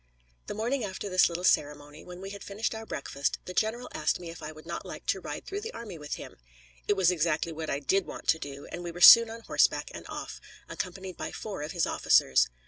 The morning after this little ceremony, when we had finished our breakfast, the general asked me if I would not like to ride through the army with him. It was exactly what I did want to do, and we were soon on horseback and off, accompanied by four of his officers.